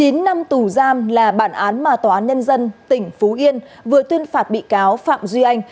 chín năm tù giam là bản án mà tòa án nhân dân tỉnh phú yên vừa tuyên phạt bị cáo phạm duy anh